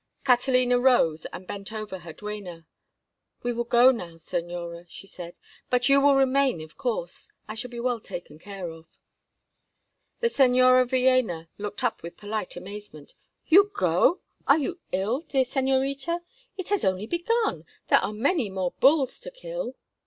Catalina rose and bent over her duenna. "We will go now, señora," she said. "But you will remain, of course. I shall be well taken care of." The Señora Villéna looked up with polite amazement. "You go? Are you ill, dear señorita? It has only begun. There are many more bulls to kill."